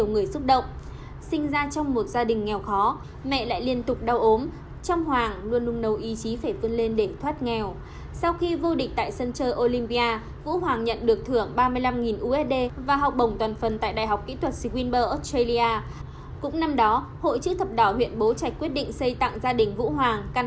gương mặt đầu tiên là á quân olympia mùa một